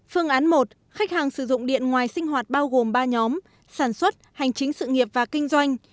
phương án một khách hàng sử dụng điện ngoài sinh hoạt bao gồm ba nhóm sản xuất hành chính sự nghiệp và kinh doanh